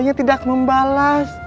saya tidak membalas